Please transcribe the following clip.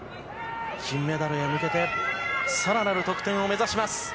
金メダルへ向けて、さらなる得点を目指します。